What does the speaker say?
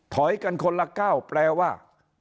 ถอยกันคนละก้าวแปลว่า